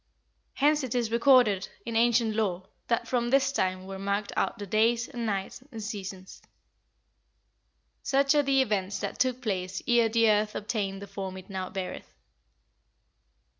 Hence it is recorded in ancient lore that from this time were marked out the days, and nights, and seasons." "Such are the events that took place ere the earth obtained the form it now beareth."